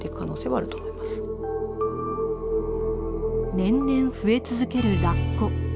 年々増え続けるラッコ。